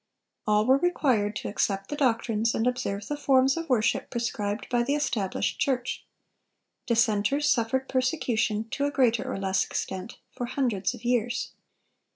All were required to accept the doctrines and observe the forms of worship prescribed by the established church. Dissenters suffered persecution, to a greater or less extent, for hundreds of years.